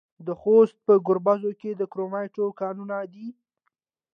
د خوست په ګربز کې د کرومایټ کانونه دي.